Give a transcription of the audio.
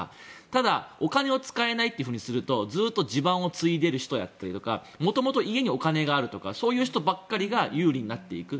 ただ、お金を使えないとするとずっと地盤を継いでいる人だったりとか元々家にお金があるとかそういう人ばかりが有利になっていく。